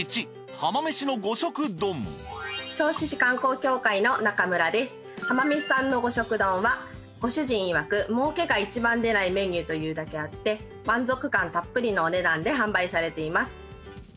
浜めしさんの五色丼はご主人曰く儲けが一番出ないメニューというだけあって満足感たっぷりのお値段で販売されています。